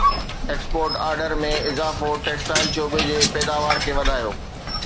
export order ۾ اضافو textile شعبي جي پيداوار کي وڌايو